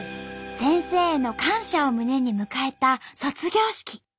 先生への感謝を胸に迎えた卒業式。